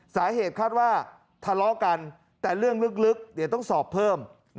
สาเหตุคาดว่าทะเลาะกันแต่เรื่องลึกเดี๋ยวต้องสอบเพิ่ม